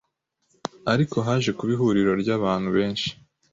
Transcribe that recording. ariko haje kuba ihuriro ry'abantu benshi